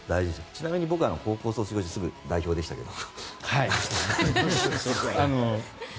ちなみに僕は高校を卒業してすぐ代表でしたけど。